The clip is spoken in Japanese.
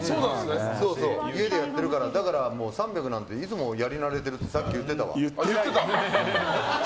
家でやってるから３００なんていつもやり慣れてるってさっき言ってたわ。